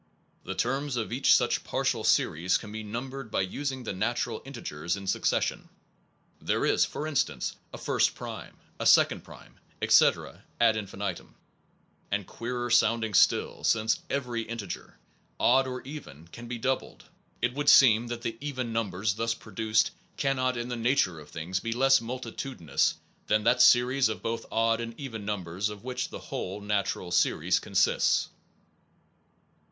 The terms of each such partial series can be numbered by using the natural integers in succession. There is, for instance, a first prime, a second prime, etc., ad infinitum; and queerer sounding still, since every integer, odd or even, can be doubled, it would seem that 175 SOME PROBLEMS OF PHILOSOPHY the even numbers thus produced cannot in the nature of things be less multitudinous than that series of both odd and even numbers of which the whole natural series consists.